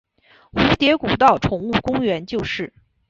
蝴蝶谷道宠物公园就是。